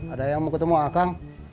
ada yang mau ketemu hakang